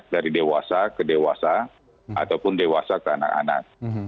dari dewasa ke dewasa ataupun dewasa ke anak anak